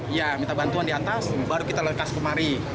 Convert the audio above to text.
iya minta bantuan di atas baru kita lokas kemari